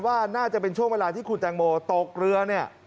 ว่าน่าจะเป็นช่วงเวลาที่คุณแตงโมตกเรือเนี่ย